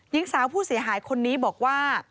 หญิงสาวผู้เสียหายคนนี้บอกว่า